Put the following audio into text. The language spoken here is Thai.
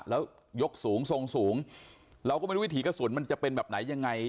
แล้วยกสูงทรงสูงเราก็ไม่รู้วิถีกระสุนมันจะเป็นแบบไหนยังไง